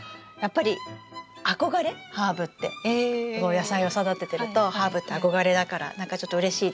野菜を育ててるとハーブって憧れだからなんかちょっとうれしいです。